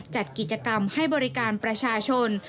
จัดกิจกรรมให้บริการประชาชน